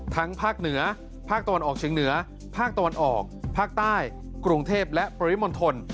ภาคเหนือภาคตะวันออกเชียงเหนือภาคตะวันออกภาคใต้กรุงเทพและปริมณฑล